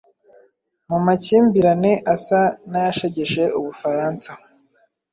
mu makimbirane asa n’ayashegeshe Ubufaransa.